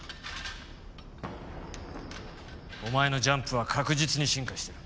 お前のジャンプは確実に進化してる。